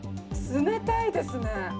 冷たいですね。